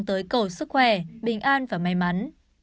tới cầu sức khỏe bình an và may mắn